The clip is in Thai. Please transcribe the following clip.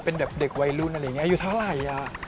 เป็นแบบเด็กวัยรุ่นอะไรอย่างนี้อายุเท่าไหร่